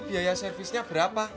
biaya servisnya berapa